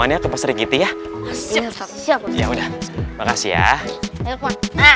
anterin atau pasri giti ayo udah makasih ya